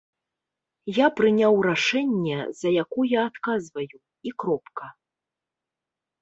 Я прыняў рашэнне, за якое адказваю, і кропка.